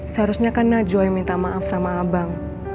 seharusnya kan najwa yang minta maaf sama abang